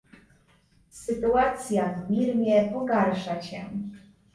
Sytuacja w Birmie pogarsza się